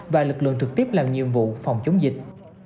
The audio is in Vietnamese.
và lực lượng trực tiếp làm nhiệm vụ phòng chống dịch